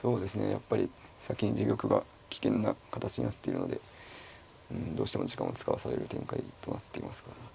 やっぱり先に自玉が危険な形になっているのでどうしても時間を使わされる展開となっていますかね。